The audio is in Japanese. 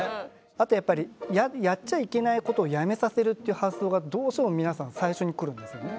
あとやっぱりやっちゃいけないことをやめさせるっていう発想がどうしても皆さん最初に来るんですよね。